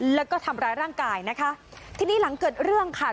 แล้วก็ทำร้ายร่างกายนะคะทีนี้หลังเกิดเรื่องค่ะ